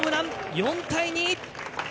４対２。